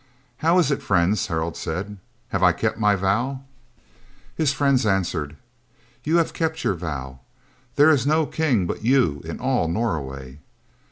"How is it, friends?" Harald said. "Have I kept my vow?" His friends answered: "You have kept your vow. There is no king but you in all Norway."